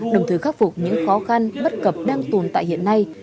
đồng thời khắc phục những khó khăn bất cập đang tồn tại hiện nay